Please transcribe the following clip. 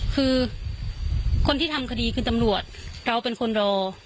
คือคนที่ทำคดีคือตำรวจเราเป็นคนรอ